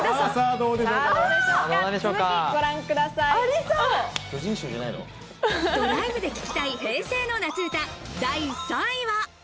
ドライブで聴きたい平成の夏歌、第３位は。